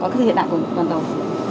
có cái hiện đại của con tàu